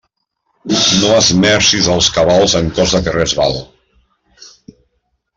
No esmercis els cabals en cosa que res val.